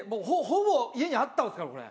ほぼ家にあったんですからこれ。